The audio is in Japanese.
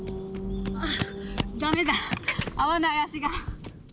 だめだ、合わない足が。